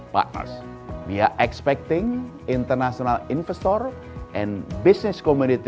kami menanti antikan investor dan komunitas bisnis internasional